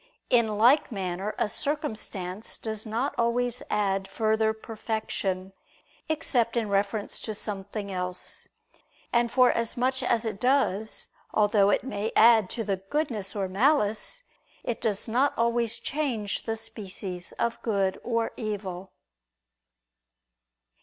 In like manner a circumstance does not always add further perfection, except in reference to something else. And, for as much as it does, although it may add to the goodness or malice, it does not always change the species of good or evil.